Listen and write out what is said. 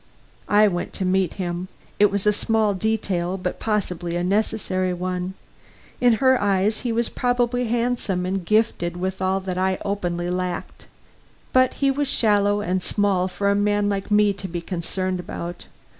I went to meet him. It was a small detail, but possibly a necessary one. In her eyes he was probably handsome and gifted with all that I openly lacked. But he was shallow and small for a man like me to be concerned about.